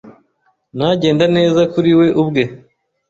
Nagenda neza kuri we ubwe!